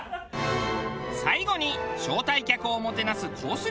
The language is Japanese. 最後に招待客をもてなすコース